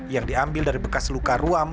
yang diambil dari bekas luka ruam